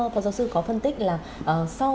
phật giáo sư có phân tích là sau